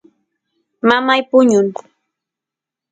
mamay puñun